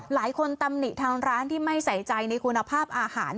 ตำหนิทางร้านที่ไม่ใส่ใจในคุณภาพอาหาร